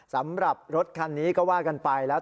สำหรับรถคันนี้ก็ว่ากันไปแล้ว